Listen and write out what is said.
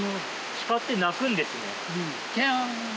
鹿って鳴くんですね。